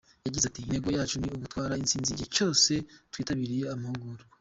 Yagize ati,"Intego yacu ni ugutwara intsinzi igihe cyose twitabiriye amarushanwa.